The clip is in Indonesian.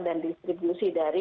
dan distribusi dari